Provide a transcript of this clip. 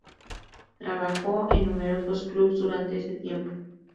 Trabajó en numerosos clubs durante ese tiempo.